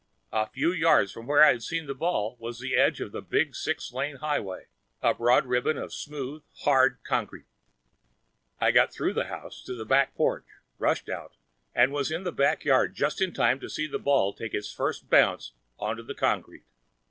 A few yards from where I had seen the ball was the edge of the big six lane highway, a broad ribbon of smooth, hard concrete. I got through the house to the back porch, rushed out and was in the back yard just in time to see the ball take its first bounce onto the concrete.